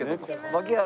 槙原